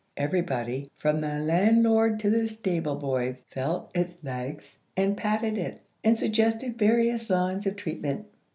Everybody, from the landlord to the stable boy, felt its legs, and patted it, and suggested various lines of treatment.